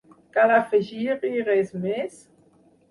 Cal afegir-hi res més?